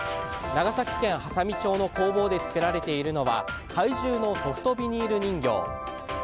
長崎県波佐見町の工房で作られているのは怪獣のソフトビニール人形。